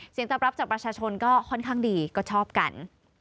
ตอบรับจากประชาชนก็ค่อนข้างดีก็ชอบกัน